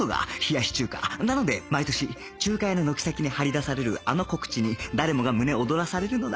なので毎年中華屋の軒先に貼り出されるあの告知に誰もが胸躍らされるのだ